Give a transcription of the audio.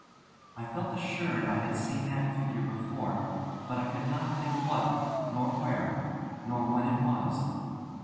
I felt assured I had seen that figure before; but I could not think what, nor where, nor when it was.